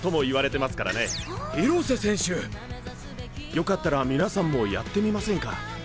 よかったら皆さんもやってみませんか？